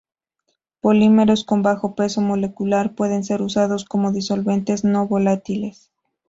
Polímeros con bajo peso molecular pueden ser usados como disolventes no volátiles.